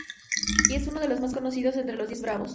Y es uno de los más conocidos entre los diez bravos.